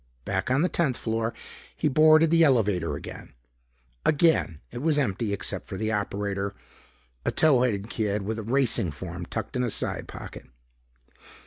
Back on the tenth floor, he boarded the elevator again. Again it was empty except for the operator, a tow headed kid with a Racing Form tucked in a side pocket.